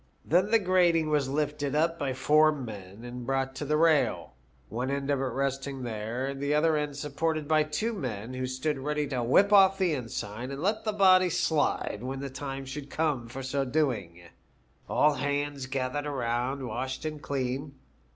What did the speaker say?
Then the grating was lifted by four men and brought to the rail, one end of it resting there, the other end supported by .two men, who stood ready to whip off the ensign and let the body slide when the time should come for so doing. All hands gathered around, washed and clean.